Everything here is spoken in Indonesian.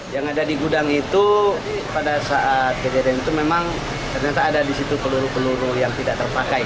yang ada di gudang itu pada saat kejadian itu memang ternyata ada di situ peluru peluru yang tidak terpakai